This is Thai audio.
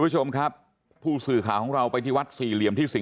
จำได้ไหมว่าเราไปวัดมา